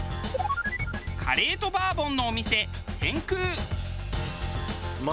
カレーとバーボンのお店。